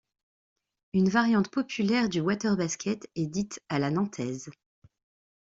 Une variante populaire du WaterBasket est dite 'à la Nantaise'.